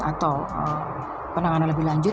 atau penanganan lebih lanjut